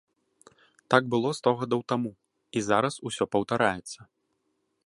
Так было сто гадоў таму, і зараз усё паўтараецца.